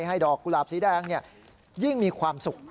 ให้ดอกกุหลาบสีแดงยิ่งมีความสุข